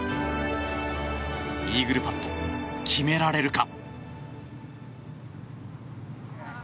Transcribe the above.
イーグルパット決められるか。